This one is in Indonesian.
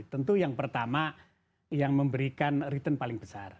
tentu yang pertama yang memberikan return paling besar